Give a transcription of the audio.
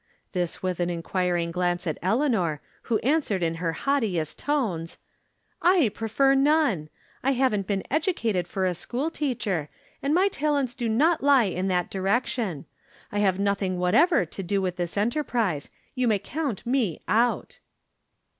This with an inquiring glance at Eleanor, who answered in her haughtiest tones :" I prefer none. I haven't been educated for a school teacher, and my talents do not lie in that direction. I have nothing whatever to do with this enterprise. You may count me out."